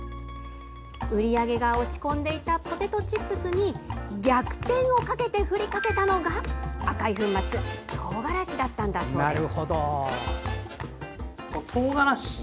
売り上げが落ち込んでいたポテトチップスに逆転をかけて振りかけたのが赤い粉末トウガラシだったんだそうです。